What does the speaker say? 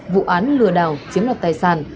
vụ án lừa đảo chiếm đặt tài sản